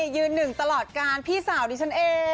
ยืนหนึ่งตลอดการพี่สาวดิฉันเอง